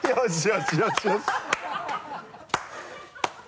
よしよし！